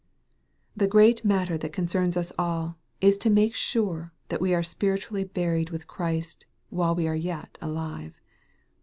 The great matter that concerns us all, is to make sure that we are spiritually buried with Christ, while we are yet alive.